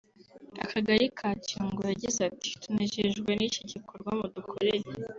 Akagali ka Cyungo yagize ati “ Tunejejwe n’iki gikorwa mudukoreye